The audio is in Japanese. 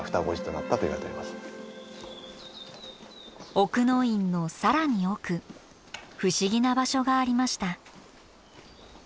奥の院の更に奥不思議な場所がありました。